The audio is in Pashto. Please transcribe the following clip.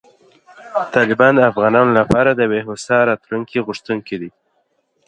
طالبان د افغانانو لپاره د یوې هوسا راتلونکې غوښتونکي دي.